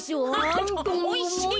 おいしい。